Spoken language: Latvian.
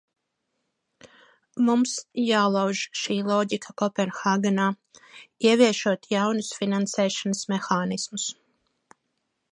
Mums jālauž šī loģika Kopenhāgenā, ieviešot jaunus finansēšanas mehānismus.